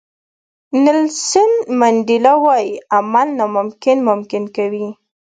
نیلسن منډیلا وایي عمل ناممکن ممکن کوي.